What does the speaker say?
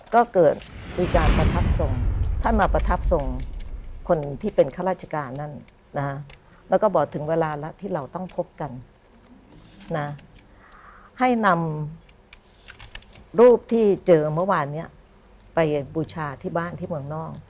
ก็เกิดมีการประทับทรงท่านมาประทับทรงคนที่เป็นข้าราชการนั่นนะฮะแล้วก็บอกถึงเวลาแล้วที่เราต้องพบกันนะให้นำรูปที่เจอเมื่อวานเนี้ยไปบูชาที่บ้านที่เมืองนอก